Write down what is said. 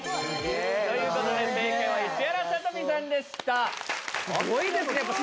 すごいですね！